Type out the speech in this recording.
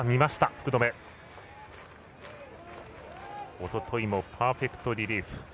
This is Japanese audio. おとといもパーフェクトリリーフ。